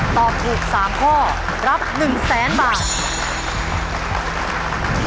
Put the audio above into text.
ตอบถูกสามข้อรับหนึ่งแสนบาท